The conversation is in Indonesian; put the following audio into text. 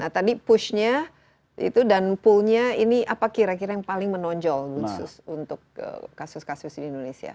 tadi pushnya itu dan poolnya ini apa kira kira yang paling menonjol khusus untuk kasus kasus di indonesia